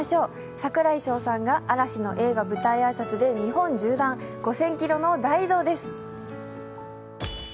櫻井翔さんが嵐の映画舞台挨拶で日本縦断、５０００ｋｍの大移動です。